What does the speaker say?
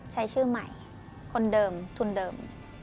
ใช้ชื่อใหม่คนเดิมทุนเดิม